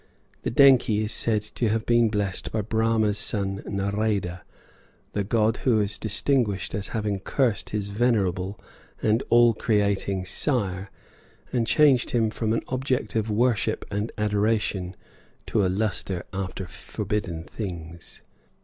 The denkhi is said to have been blessed by Brahma's son Narada, the god who is distinguished as having cursed his venerable and all creating sire and changed him from an object of worship and adoration to a luster after forbidden things.